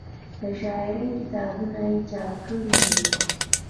د شاعرۍ کتابونه یې چاپ کړي دي